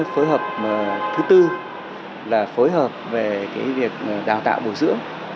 phối hợp thứ tư là phối hợp về việc đào tạo bồi dưỡng